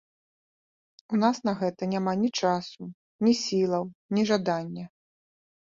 У нас на гэта няма ні часу, ні сілаў, ні жадання.